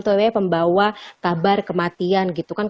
itu ya pembawa kabar kematian gitu kan